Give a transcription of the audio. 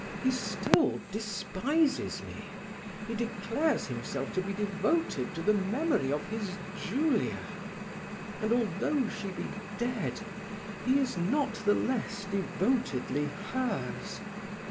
he still despises me he declares himself to be devoted to the memory of his Julia; and that although she be dead, he is not the less devotedly hers.